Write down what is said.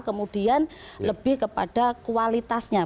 kemudian lebih kepada kualitasnya